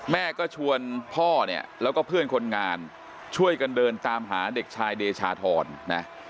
แม่ก็ชวนพ่อเนี่ยแล้วก็เพื่อนคนงานช่วยกันเดินตามหาเด็กชายเดชาธรนะ